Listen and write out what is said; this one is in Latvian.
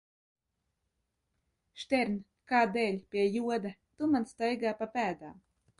Štern, kādēļ, pie joda, tu man staigā pa pēdām?